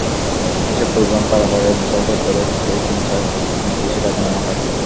এসব পরিবহন পারাপারে নির্ধারিত টোলের চেয়ে তিন-চার গুণ বেশি টাকা নেওয়া হয়।